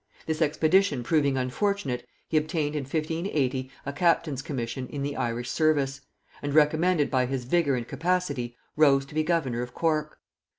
This expedition proving unfortunate, he obtained in 1580 a captain's commission in the Irish service; and recommended by his vigor and capacity, rose to be governor of Cork.